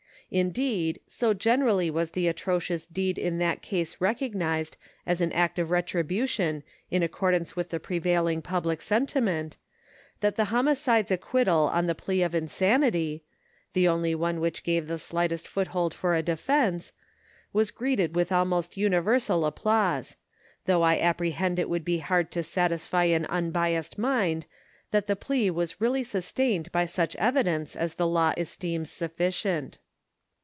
Indeed, so generally was the atrocious deed in that case recognise 4 as an act of retribution in accordance with the prevailing public sentiment, that the homicide's ac quittal on the plea of insanity, (the only one which gave the slightest foot'hold for a defense,) was greeted with almost uni versal applause ; though I apprehend it would be hard to satisfy an unbiassed mind ithat the plea was really sustained by such evidence as the law esteems sufficient.